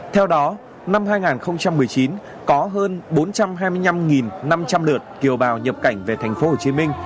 theo đó năm hai nghìn một mươi chín có hơn bốn trăm hai mươi năm năm trăm linh lượt kiều bào nhập cảnh về tp hcm